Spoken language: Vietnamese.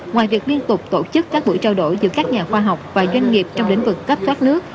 ngoài việc liên tục tổ chức các buổi trao đổi giữa các nhà khoa học và doanh nghiệp trong lĩnh vực cấp thoát nước